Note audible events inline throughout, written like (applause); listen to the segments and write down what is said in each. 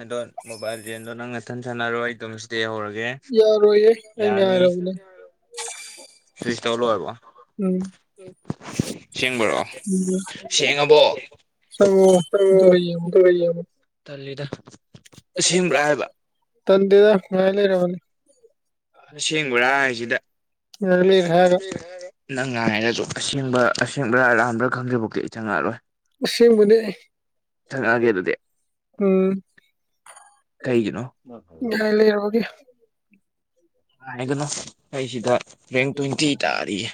ꯑꯗꯣ ꯃꯣꯕꯥꯏꯜ ꯂꯤꯖꯦꯟꯗꯣ ꯅꯪ ꯅꯊꯟ ꯁꯥꯟꯅꯔꯣ ꯑꯩ ꯑꯗꯨꯝ ꯏꯁꯗꯦ ꯌꯍꯧꯔꯒꯦ ꯌꯥꯅꯤ (unintelligible) ꯐꯤ꯭ꯔꯤꯁ ꯇꯧ ꯂꯣꯏꯔꯕꯣ ꯁꯦꯡꯕꯔꯣ ꯁꯦꯡꯉꯕꯣ ꯄꯩꯌꯦ ꯗꯨꯏ ꯌꯦꯡꯉꯣ ꯇꯜꯂꯤꯗ ꯇꯟꯗꯦꯗ ꯉꯥꯢ ꯂꯩꯔꯕꯅꯤ ꯑꯁꯦꯡꯕꯔꯥ ꯍꯥꯏꯖꯤꯗ ꯅꯪ ꯉꯥꯏꯔꯖꯨ ꯑꯁꯦꯡꯕ ꯑꯁꯦꯡꯕ꯭ꯔꯥ ꯑꯔꯥꯟꯕ꯭ꯔꯥ ꯈꯪꯗ꯭ꯔꯤꯕꯨꯛꯇꯤ ꯑꯩ ꯆꯪꯉꯛꯑꯔꯣꯏ ꯑꯁꯦꯡꯕꯅꯦ ꯎꯝ ꯉꯥꯍꯥꯏ ꯂꯩꯌꯣꯒꯤ ꯅꯩꯏꯒꯅꯣ ꯑꯩ ꯁꯤꯗ ꯔꯦꯡ ꯇ꯭ꯋꯦꯟꯇꯤ ꯇꯥꯔꯤꯌꯦ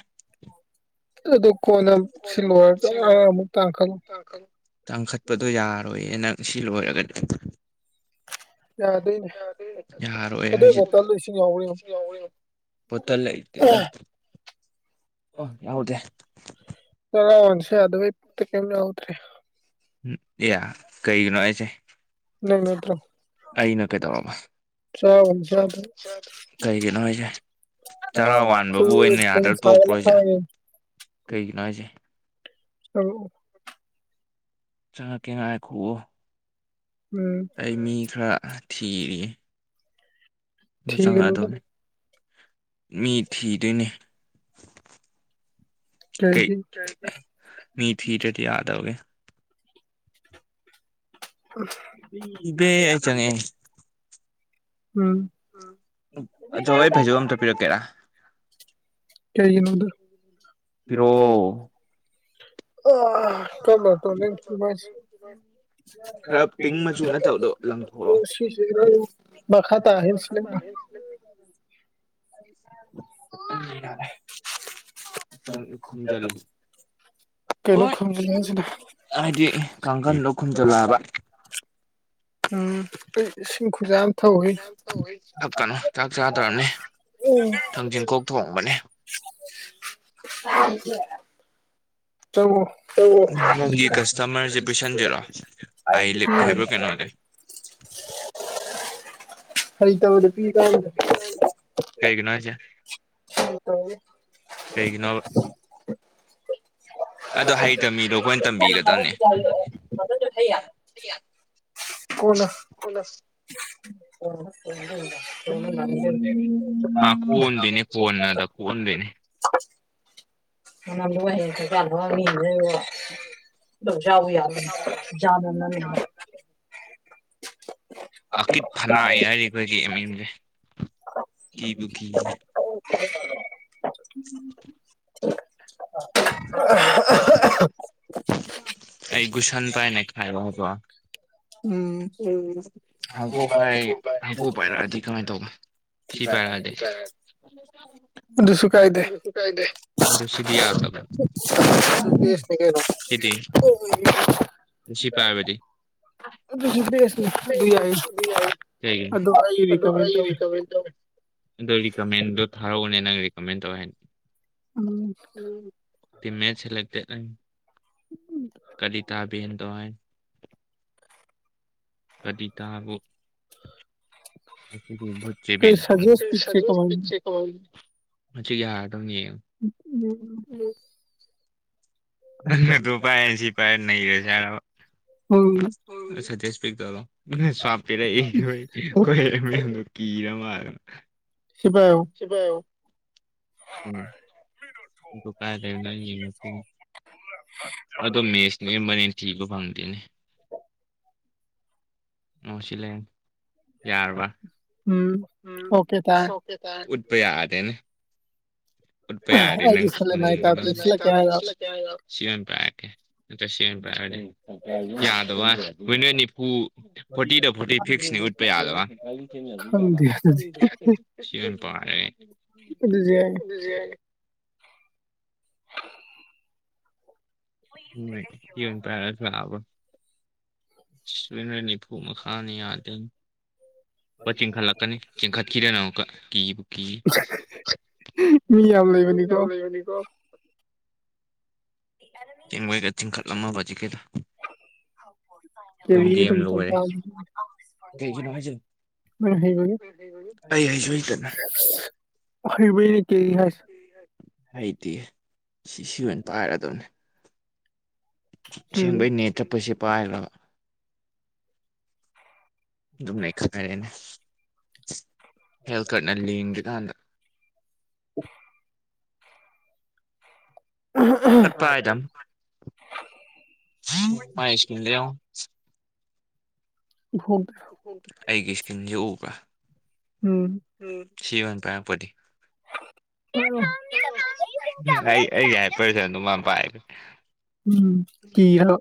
ꯑꯗꯨ ꯀꯣꯟꯅ ꯁꯤꯂꯣꯏꯔꯒ ꯑ ꯑꯃꯨꯛ ꯇꯥꯔꯛꯀꯅꯣ ꯇꯥꯡꯈꯠꯄꯗꯣ ꯌꯥꯔꯣꯏꯌꯦ ꯅꯪ ꯁꯤ ꯂꯣꯏꯔꯒꯗꯤ ꯌꯥꯗꯨꯏꯅꯦ ꯌꯥꯔꯣꯏ ꯍꯥꯏꯖꯤꯠ ꯄꯣꯇꯜ ꯂꯩꯇꯦꯗ ꯑꯣ ꯌꯥꯎꯗꯦ ꯄꯦꯂꯣꯟ ꯁꯗꯨꯒꯤ ꯇꯩ ꯀꯦꯝ ꯌꯥꯎꯗ꯭ꯔꯦ ꯎꯝ ꯌꯥ ꯀꯩꯒꯤꯅꯣ ꯑꯥꯏꯁꯦ ꯅꯪ ꯅꯠꯇ꯭ꯔꯣ ꯆꯔꯣꯟ ꯆꯗꯕ ꯆꯔꯋꯥꯟ (unintelligible) ꯀꯩꯅꯣꯝ ꯁꯍꯜꯂ ꯈꯡꯉꯤꯟ ꯀꯩꯒꯤꯅꯣ ꯍꯥꯏꯖꯦ ꯑꯧ ꯆꯪꯉꯛꯀꯦ ꯉꯥꯏꯈꯨꯑꯣ ꯑꯩ ꯃꯤ ꯈꯔ ꯊꯤꯔꯤꯌꯦ ꯑꯗꯨ ꯆꯪꯉꯛꯑꯗꯧꯅꯦ ꯃꯤ ꯊꯤꯗꯨꯏꯅꯦ ꯀꯩ ꯃꯤ ꯊꯤꯗ꯭ꯔꯗꯤ ꯌꯥꯗꯝꯅꯦ ꯁꯤꯖꯦ (unintelligible) ꯎꯝ ꯑꯗꯣ ꯑꯩ ꯐꯩꯖꯨꯞ ꯑꯝꯇ ꯄꯤꯔꯛꯀꯦꯔꯥ ꯀꯩꯒꯤꯅꯣꯗꯣ ꯄꯤꯔꯛꯑꯣ ꯑꯥ ꯀꯝꯕ (unintelligible) (unintelligible) ꯄꯤꯡ (unintelligible) ꯑꯣ ꯁꯤꯁꯤꯔꯥ ꯌꯦꯡꯉꯨ ꯃꯈꯥ ꯇꯥꯏ (unintelligible) (unintelligible) ꯈꯨꯝꯖꯜ (unintelligible) ꯍꯥꯏꯗꯤ ꯀꯥꯡꯒꯟꯗꯣ ꯈꯨꯝꯖꯜꯂꯣ ꯍꯥꯏꯕ ꯎꯝ ꯑꯩ ꯏꯁꯤꯡ ꯈꯨꯖꯥꯏꯝ ꯊꯛꯎꯒꯦ ꯎꯝ (unintelligible) (unintelligible) (inaudible) ꯀꯩꯒꯤꯅꯣ ꯍꯥꯏꯖꯦ (unintelligible) (unintelligible) (unintelligible) ꯀꯣꯟꯅ (unintelligible) (unintelligible) (unintelligible) (unintelligible) ꯑꯀꯤꯠ ꯐꯅꯥꯏ ꯍꯥꯏꯔꯤ ꯑꯩꯈꯣꯏꯒꯤ ꯑꯦꯝ ꯑꯦꯝꯖꯦ (unintelligible) (inaudible) ꯑꯩ ꯒꯨꯁꯟ ꯄꯥꯏꯔ ꯅꯩꯈꯥꯏꯔꯛꯑꯣ ꯍꯥꯏꯕ꯭ꯔꯣ ꯊꯥꯡꯀꯣꯛ ꯄꯥꯏ ꯊꯥꯡꯀꯣꯛ ꯄꯥꯏꯔꯛꯑꯥꯗꯤ ꯀꯃꯥꯏ ꯇꯧꯕ ꯁꯤ ꯄꯥꯏꯌꯣ ꯍꯥꯏꯔꯗꯤ ꯑꯗꯨꯁꯨ ꯀꯥꯏꯗꯦ ꯑꯗꯣ ꯁꯤꯗꯤ ꯌꯥꯗꯕ꯭ꯔꯥ ꯁꯤꯗꯤ ꯑꯣꯏ (unintelligible) ꯁꯤ ꯄꯥꯥꯏꯕꯗꯤ ꯑꯇꯩ ꯁ꯭ꯀꯤꯜ ꯄꯥꯏꯕ ꯌꯥꯏꯌꯦ ꯀꯩꯒꯤ ꯑꯗꯣ ꯑꯩꯒꯤ ꯂꯩꯇꯕꯒꯤꯅꯤ ꯑꯗꯣ ꯔꯤꯀꯃꯦꯟꯗꯣ ꯊꯥꯔꯛꯎꯅꯦ ꯅꯪ ꯔꯤꯀꯃꯦꯟ ꯇꯧꯋꯦ ꯍꯥꯏ ꯎꯝ ꯇꯤꯝ ꯃꯦꯠ ꯁꯦꯂꯦꯛꯇꯦꯠ ꯍꯥꯏꯃꯤ ꯀꯔꯤ ꯊꯥ ꯗꯣꯋꯥꯏ ꯀꯗꯤ ꯊꯥꯒꯣ (unintelligible) ꯉꯁꯤꯒꯤ ꯌꯥꯔꯗꯕꯅꯤ ꯌꯦꯡꯉꯨ ꯎꯝ ꯅꯪ ꯑꯗꯨ ꯄꯥꯏ ꯑꯩ ꯁꯤ ꯄꯥꯏ ꯅꯩꯔꯖꯦ ꯍꯥꯏꯔꯕ ꯎꯝ ꯎꯝ ꯁꯦꯟꯇꯦꯁ ꯄꯤꯛ ꯇꯧꯔꯛꯑꯣ ꯁꯥꯞ ꯄꯤꯔꯛꯏ ꯈꯣꯏ ꯈꯣꯏ ꯃꯌꯥꯝꯗꯣ ꯀꯤꯔ ꯃꯥꯜꯂꯦ ꯁꯤ ꯄꯥꯏꯌꯣ ꯁꯤ ꯄꯏꯌꯣ ꯎꯝ ꯗꯨꯀꯥꯏ ꯂꯩꯕꯅꯣ ꯌꯦꯡꯉꯛꯇꯣꯏꯅꯤ (unintelligible) ꯑꯗꯣ ꯃꯦꯁ ꯅꯦꯝꯕꯅꯤꯅ ꯊꯤꯕ ꯐꯪꯗꯦꯅꯦ (inaudible) ꯑꯣ ꯁꯤ ꯂꯩ ꯌꯥꯔꯕ ꯎꯝ ꯎꯝ ꯁꯣꯛ ꯀꯩꯀꯥ ꯎꯠꯄꯥ ꯌꯥꯗꯦꯅꯦ ꯎꯠꯄ ꯌꯥꯔꯗꯤ ꯅꯪ (unintelligible) (unintelligible) ꯁꯤ ꯑꯣꯏꯅ ꯄꯥꯏꯔꯛꯀꯦ ꯅꯠꯇ꯭ꯔꯥ ꯁꯤ ꯑꯣꯏꯅ ꯄꯥꯏꯌꯨꯅꯤ ꯌꯥꯗꯕ꯭ꯋꯥꯟ ꯂꯣꯏꯅ ꯅꯤꯐꯨ ꯐꯣꯔꯇꯤꯗ ꯐꯣꯔꯇꯤ ꯐꯤꯛꯁꯅꯤ ꯎꯠꯄ ꯌꯥꯗꯕꯋꯥꯟ ꯁꯤ ꯑꯣꯏꯅ ꯄꯥꯔꯦ ꯑꯗꯨꯗꯤ ꯏꯃꯩ (unintelligible) ꯂꯣꯏꯅ ꯅꯤꯐꯨ ꯃꯈꯥꯅꯤ ꯌꯥꯗꯦꯟ ꯄꯠ ꯆꯤꯡꯈꯠꯂꯛꯀꯅꯤ ꯆꯤꯡꯈꯠꯈꯤꯗꯣꯏꯅꯤ ꯑꯃꯨꯛꯀ ꯀꯤꯕꯨ ꯀꯤ ꯃꯤ ꯌꯥꯝ ꯂꯩꯕꯅꯤꯀꯣ ꯕꯅꯤꯀꯣ (unintelligible) ꯆꯦꯡꯕꯩꯒ ꯆꯤꯡꯈꯠꯂꯝꯃꯕ ꯍꯧꯖꯤꯛꯀꯤꯗꯣ ꯀꯦꯔꯤ ꯑꯗꯨꯝ ꯇꯧꯇꯥꯝꯅꯤ ꯅꯣꯏ ꯍꯩꯔꯣꯏꯌꯦ (unintelligible) ꯍꯩꯕꯩꯅꯦ ꯀꯦꯔꯤ ꯍꯥꯏꯁꯦ ꯍꯩꯇꯦ ꯁꯤ ꯁꯤ ꯑꯣꯏꯅ ꯄꯥꯏꯔꯗꯝꯅꯦ ꯁꯦꯡꯕꯩ ꯅꯦꯠ ꯇꯞꯄꯁꯦ ꯄꯥꯏꯕ꯭ꯔꯕ ꯑꯗꯨꯝ ꯂꯩꯈꯠꯅꯔꯦꯅꯦ ꯍꯦꯜ ꯀꯥꯔꯠꯅ ꯂꯦꯡꯗ꯭ꯔꯤꯀꯥꯟꯗ (inaudible) ꯇꯠꯄꯥꯥꯏꯗꯝ ꯃꯥꯏ ꯏꯁꯀꯤꯟꯗꯣ ꯌꯦꯡꯉꯣ ꯎꯍꯧꯗꯦ ꯑꯩꯒꯤ ꯏꯁꯀꯤꯟꯖꯦ ꯎꯕ꯭ꯔꯥ ꯎꯝ ꯎꯝ ꯁꯤ ꯑꯣꯏꯅ ꯄꯥꯏꯔꯛꯄꯗꯤ (unintelligible) (unintelligible) ꯑꯩ ꯑꯩ ꯌꯥꯏ ꯄꯔꯁꯟꯗꯣ ꯃꯥꯟ ꯄꯥꯏ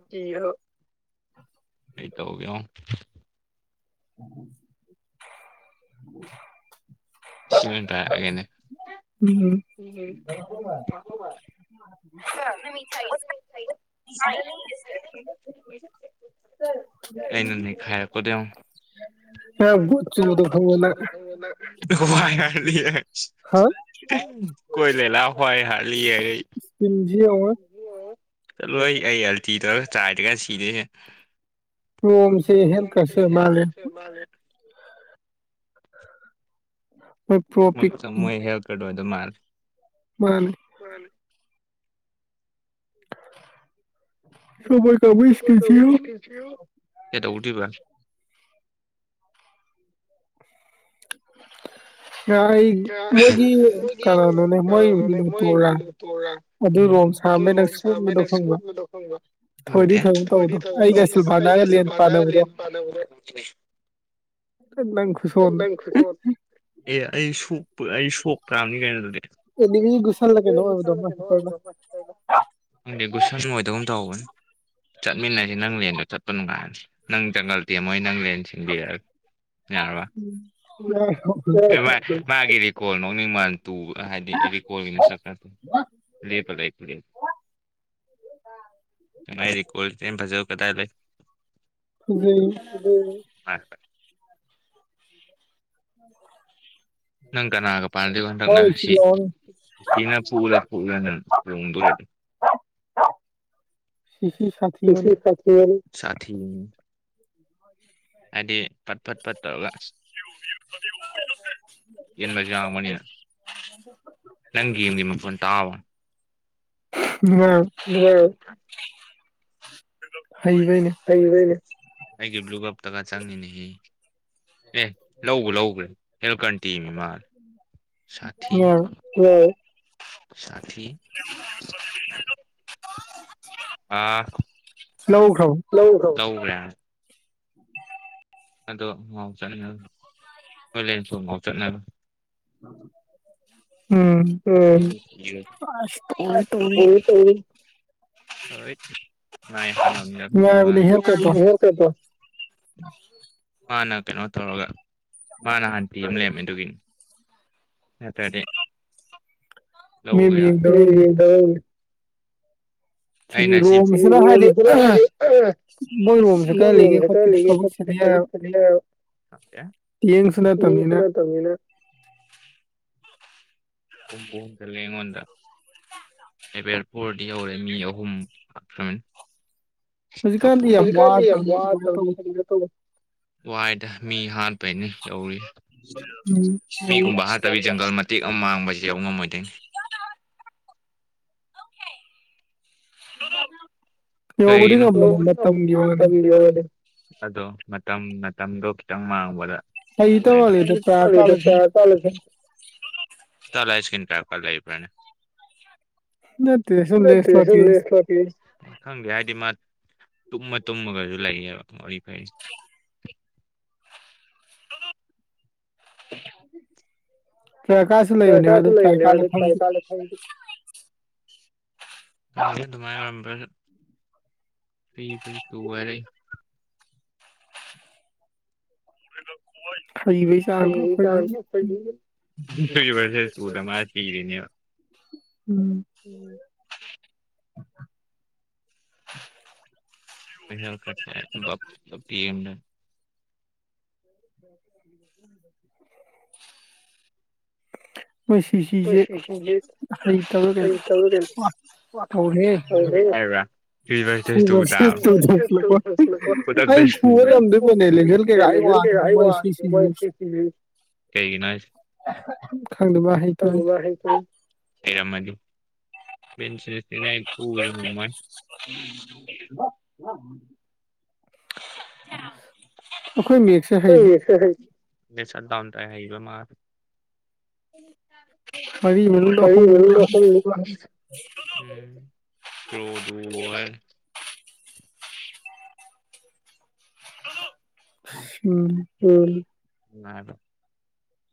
ꯁꯤꯔꯣ ꯑꯩ ꯇꯧꯒ꯭ꯌꯣꯡ (inaudible) (inaudible) ꯁꯤꯑꯣꯏꯟ ꯄꯥꯏꯔꯛꯒꯦꯅꯦ (unintelligible) (unintelligible) (unintelligible) ꯑꯩꯅ ꯅꯩꯈꯥꯏꯔꯛꯄꯗꯣ ꯌ꯭ꯋꯣꯡ (unintelligible) (unintelligible) ꯈꯣꯏ ꯂꯦꯂꯥ ꯍꯣꯏ ꯍꯥꯔꯂꯤ (unintelligible) (unintelligible) ꯆꯠꯂꯣꯏ ꯑꯩ ꯑꯩ ꯑꯜꯇꯤ ꯇꯧꯔꯥ ꯆꯥꯏꯗ꯭ꯔꯤꯀꯥꯟ ꯁꯤꯗꯣꯏꯅꯦ ꯔꫭꯝꯁꯤ ꯍꯦꯜꯀꯟꯁꯦ ꯃꯥꯂꯦ ꯃꯥꯅꯦ ꯃꯣꯏ ꯍꯦꯜꯇ ꯀꯔꯠ ꯑꫭꯏꯗꯣꯏ ꯃꯥꯜꯂꯦ ꯃꯥꯅꯦ ꯃꯥꯅꯦ (unintelligible) (inaudible) ꯀꯩꯗꯧꯗꯣꯏꯕ ꯉꯥꯏ ꯃꯣꯏꯒꯤ ꯀꯩꯅꯥꯅꯣꯅꯦ ꯃꯣꯏ (unintelligible) ꯇꯣꯔꯥ ꯑꯗꯨꯔꯣꯝ ꯁꯥꯝꯕꯩ ꯅꯪ (unintelligible) ꯈꯪꯕ ꯈꯪꯗꯦ ꯊꯣꯏꯗꯤ ꯊꯣꯏꯒꯨꯝ ꯇꯧꯕꯅꯦ ꯑꯩꯒ ꯁꯤꯜꯚꯥꯅꯥꯒ ꯂꯦꯟ ꯄꯥꯅꯕꯗ ꯅꯪ ꯈꯨꯁꯣꯟꯗꯣ ꯑꯦ ꯑꯩꯁꯨ ꯑꯩ ꯁꯣꯛ ꯇꯥꯕꯅꯤ ꯀꯩꯅꯣ ꯑꯗꯨꯗꯤ (unintelligible) ꯈꯪꯗꯦ ꯒꯨꯁꯟꯑꯣꯏꯗꯒꯨꯝ ꯇꯧꯕꯅꯤ ꯆꯠꯃꯤꯟꯅꯁꯤ ꯅꯪ ꯍꯦꯟꯅ ꯆꯠꯄ ꯅꯨꯡꯉꯥꯏꯕꯅꯤ ꯅꯪ ꯖꯪꯒꯜ ꯇꯦꯝꯃꯣ ꯑꯩ ꯅꯪ ꯂꯦꯟ ꯊꯤꯟꯕꯤꯔꯒꯦ ꯌꯥꯔꯕ ꯑꯦ ꯃꯥꯏ ꯃꯥꯒꯤ ꯔꯤꯀꯣꯜ ꯅꯣꯛꯅꯤꯡꯕꯥꯅꯤ ꯇꯨꯕ ꯍꯥꯏꯗꯤ ꯔꯤꯀꯣꯜ (unintelligible) ꯃꯥꯏ ꯔꯤꯀꯣꯜ ꯁꯤꯗꯩ ꯍꯦꯟ ꯐꯖꯕ ꯀꯗꯥꯏ ꯂꯩ ꯐꯖꯩ ꯀꯗꯩꯅꫭ (inaudible) ꯅꯪ ꯀꯅꯥꯒ ꯄꯥꯟꯅꯗꯣꯏꯕꯣ ꯍꯟꯗꯛꯅ ꯁꯤ (unintelligible) ꯁꯤꯁꯤ ꯁꯥꯊꯤꯕ (unintelligible) ꯁꯥꯊꯤꯝꯅꯤ (inaudible) ꯍꯥꯏꯗꯤ ꯐꯠ ꯐꯠ ꯐꯠ ꯇꯧꯔꯒ ꯌꯦꯟꯕꯁꯨ ꯌꯥꯎꯔꯝꯒꯅꯤꯅ ꯅꯪ ꯒꯤ ꯒꯦꯝꯗꯤ ꯃꯐꯣꯟ ꯇꯥꯎ (unintelligible) ꯍꯩꯕꯩꯅꯦ ꯍꯩꯕꯩꯅꯦ ꯑꯩꯒꯤ ꯕ꯭ꯂꯨ ꯀꯞ ꯇꯒ ꯆꯪꯅꯤꯅꯦꯍꯦ ꯑꯦ ꯂꯧꯕꯨ ꯂꯧꯈ꯭ꯔꯦ ꯍꯦꯜ ꯀꯟꯇꯤ ꯃꯥꯂꯦ ꯁꯥꯊꯤ ꯁꯥꯊꯤ (inaudible) ꯑꯥ ꯂꯧꯈ꯭ꯔꯕꫭ ꯂꯧꯒ꯭ꯔꯦ ꯑꯗꯣ ꯉꯥꯎ ꯆꯠꯅ ꯃꫭꯏ ꯂꯦꯟꯁꯂꫭꯠ ꯉꯥꯎ ꯆꯠꯅꯔꯦ ꯎꯝ ꯎꯝ (unintelligible) (unintelligible) (unintelligible) ꯃꯥꯅ ꯀꯩꯅꯣ ꯇꯧꯔꯒ ꯃꯥꯅ ꯍꯥꯟ ꯇꯦꯝ ꯂꯩꯔꯝꯃꯦ ꯑꯗꯨꯒꯤꯅꯤ ꯅꯠꯇ꯭ꯔꯗꯤ ꯂꯧꯕ ꯌꯥꯕꯅꯤ (unintelligible) ꯑꯩꯅ ꯁꯤ (unintelligible) (unintelligible) (unintelligible) ꯂꯦꯞꯄ ꯅꯠꯇꯃꯤꯅ ꯄꯨꯝꯄꯧ ꯆꯜꯂꯦ ꯑꯩꯉꯣꯟꯗ ꯂꯦꯕꯦꯜ ꯐꯣꯔꯗꯤ ꯌꯧꯔꯦ ꯃꯤ ꯑꯍꯨꯝ (unintelligible) (unintelligible) (unintelligible) ꯃꯤꯒꯨꯝꯕ ꯍꯥꯠꯇꯕꯤ ꯖꯪꯒꯜ ꯃꯇꯦꯛ ꯑꯝ ꯃꯥꯡꯕꯖꯦ ꯌꯧꯎ ꯉꯝꯃꯣꯏꯗꯣꯏꯅꯤ (inaudible) (inaudible) ꯀꯩꯒꯤꯅꯣ (unintelligible) ꯑꯗꯣ ꯃꯇꯝ ꯃꯇꯝꯗꯣ ꯈꯤꯇꯪ ꯃꯥꯡꯕꯗ ꯎꯔꯦ (unintelligible) (unintelligible) ꯈꯪꯗꯦ ꯍꯥꯏꯗꯤ ꯃꯥ ꯇꯨꯝꯃ ꯇꯨꯝꯃꯒꯁꯨ ꯂꯩꯌꯦꯕ ꯋꯥꯔꯤ ꯐꯔꯤ (unintelligible) ꯑꯗꯨꯃꯥꯏꯅ ꯑꯣꯏꯔꯝꯕ (unintelligible) ꯐꯩꯕꯩ (unintelligible) ꯎꯝ ꯎꯝ (unintelligible) (inaudible) ꯃꯣꯏ ꯁꯤ ꯁꯤꯁꯦ ꯍꯩ ꯇꯕ꯭ꯔ ꯀꯩꯅꯣ ꯍꯧꯔꯦꯍꯦ ꯍꯥꯏꯌꯨꯔ (inaudible) ꯀꯩꯒꯤꯅꯣ ꯍꯥꯏꯁꯦ ꯈꯪꯗꯦ ꯕꯥ (unintelligible) (inaudible) (inaudible) (unintelligible) (inaudible) (unintelligible) (unintelligible) (unintelligible) (unintelligible)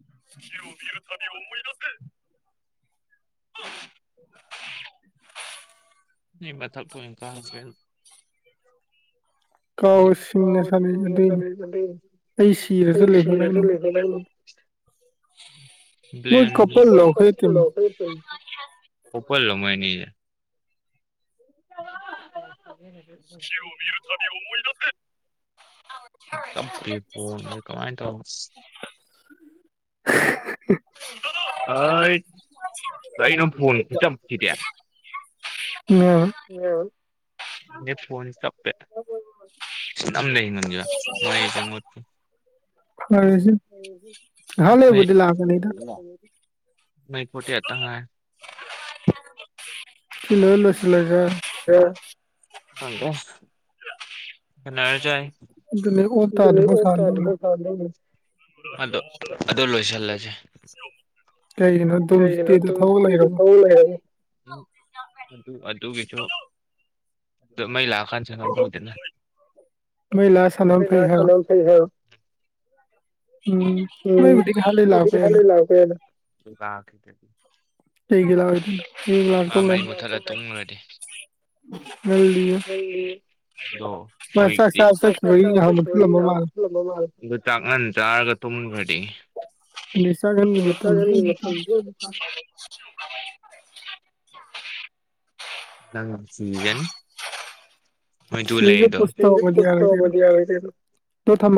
(inaudible) (inaudible) (inaudible) (unintelligible) ꯑꯩ ꯁꯤꯔꯁꯨ (unintelligible) (unintelligible) ꯑꯣꯄꯜꯂꯣ ꯃꯣꯏ ꯑꯅꯤꯁꯦ (inaudible) (unintelligible) ꯑꯥꯏꯇ ꯀꯩꯅꯣ ꯐꯣꯟ ꯈꯨꯆꯞꯁꯤꯗꯤ (unintelligible) ꯅꯦ ꯐꯣꯟꯁꯦ ꯆꯞꯄꯦ (unintelligible) (unintelligible) ꯃꯩ ꯐꯣꯔꯇꯤ ꯑꯠ ꯇꯪ ꯉꯥꯏꯔꯦ ꯑꯦ ꯈꯪꯗꯦ (unintelligible) (unintelligible) ꯑꯗꯣ ꯑꯗꯨ ꯂꯣꯏꯁꯤꯜꯂꯁꯦ ꯀꯩꯒꯤꯅꯣ ꯀꯩꯒꯤꯅꯣ ꯑꯗꯨ (unintelligible) ꯑꯗꯨꯒꯤꯁꯨ ꯃꯩ ꯂꯥꯛꯑꯀꯥꯟ (unintelligible) ꯎꯝ ꯃꯩꯕꯨꯗꯤ ꯉꯍꯥꯛ ꯂꯩꯔ ꯂꯥꯛꯄ ꯌꯥꯢꯅ ꯄꯦꯂꯦ (unintelligible) ꯀꯩꯒꯤ (unintelligible) ꯃꯩ ꯃꯥ ꯆꯥꯛ ꯆꯥ ꯆꯠꯈꯤꯕꯒꯤ ꯉꯍꯥꯛ ꯃꯨꯠꯊꯠꯂꯝꯕ ꯃꯥꯂꯦ (unintelligible) ꯑꯗꯨ ꯆꯥꯛ ꯉꯟ ꯆꯥꯔꯒ ꯇꯨꯝꯈ꯭ꯔꯗꯤ (unintelligible) ꯆꯥꯛ ꯍꯦꯟꯕꯩ ꯃꯇꯝꯅꯤ (inaudible) ꯅꯪ ꯁꯤꯡꯖꯅꯤ ꯇꯨ ꯂꯩꯗꯣ (unintelligible) ꯇꯣ ꯊꯝꯃ